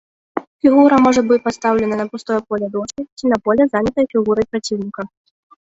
Фігура можа быць пастаўлена на пустое поле дошкі ці на поле, занятае фігурай праціўніка.